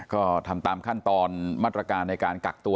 ก็ทำตามขั้นตอนมาตรการในการกักตัว